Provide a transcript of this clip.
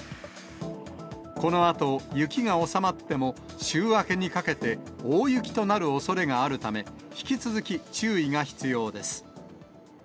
このあと、雪が収まっても、週明けにかけて大雪となるおそれがあるため、引き続き注意が必要です。